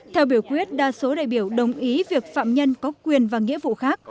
theo biểu quyết đa số đại biểu đồng ý việc phạm nhân có quyền và nghĩa vụ khác